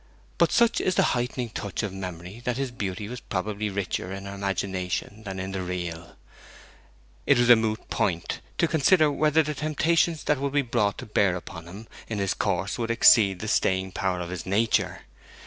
But such is the heightening touch of memory that his beauty was probably richer in her imagination than in the real. It was a moot point to consider whether the temptations that would be brought to bear upon him in his course would exceed the staying power of his nature.